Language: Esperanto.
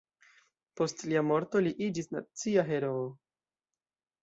Post lia morto li iĝis nacia heroo.